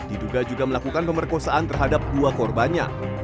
diduga juga melakukan pemerkosaan terhadap dua korbannya